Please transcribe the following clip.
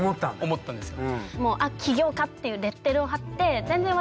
思ったんですよ。